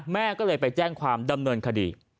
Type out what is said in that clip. แม่ก็เลยไปแจ้งความดำเนินคดี